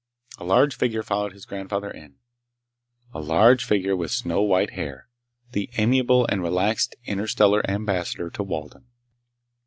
A large figure followed his grandfather in. A large figure with snow white hair. The amiable and relaxed Interstellar Ambassador to Walden.